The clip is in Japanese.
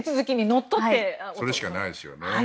それしかないですよね。